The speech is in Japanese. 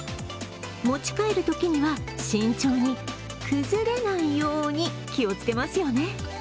持ち帰るときには慎重に崩れないように気をつけますよね。